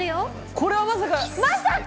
これはまさか。